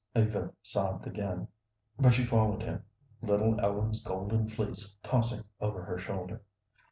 Eva sobbed again; but she followed him, little Ellen's golden fleece tossing over her shoulder.